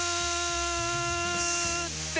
って